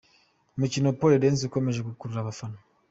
Umukino Pole dance ukomeje gukurura abafana